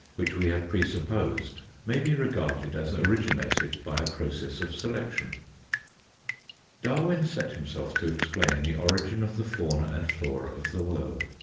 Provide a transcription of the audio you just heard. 116 THE FOURTH DIMENSION we have presupposed may be regarded as originated by a process of selection. Darwin set himself to explain the origin of the fauna and flora of the world.